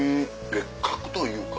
別格というか。